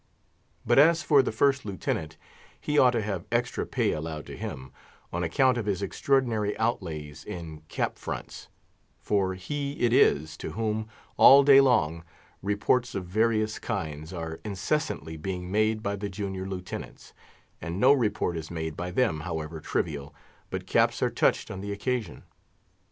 But as for the First Lieutenant, he ought to have extra pay allowed to him, on account of his extraordinary outlays in cap fronts; for he it is to whom, all day long, reports of various kinds are incessantly being made by the junior Lieutenants; and no report is made by them, however trivial, but caps are touched on the occasion.